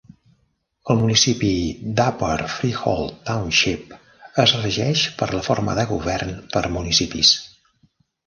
El municipi d'Upper Freehold Township es regeix per la forma de govern per municipis.